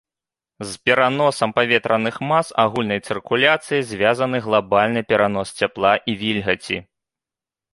З пераносам паветраных мас агульнай цыркуляцыяй звязаны глабальны перанос цяпла і вільгаці.